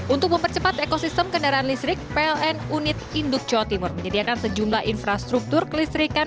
untuk mempercepat ekosistem kendaraan listrik pln unit induk jawa timur menyediakan sejumlah infrastruktur kelistrikan